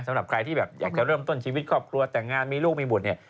สำหรับใครที่แบบอยากจะเริ่มต้นชีวิตครอบครัวแต่งงานมีลูกมีบุตรเนี่ย